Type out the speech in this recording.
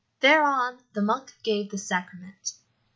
Thereon the monk gave the sacrament.